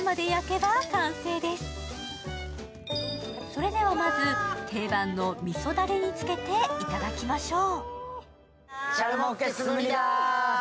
それではまず、定番の味噌だれにつけていただきましょう。